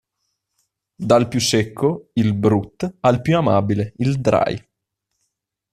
Dal più secco, il Brut, al più amabile, il Dry.